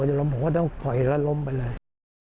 ก็ก็ต้องคอยล่ะล้มกันเลย